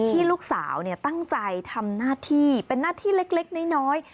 ที่ลูกสาวตั้งใจทำหน้าที่เป็นหน้าที่เล็กน้อย